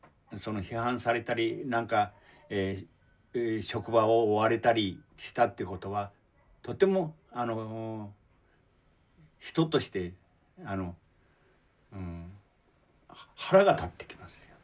批判されたりなんか職場を追われたりしたってことはとても人としてあの腹が立ってきます。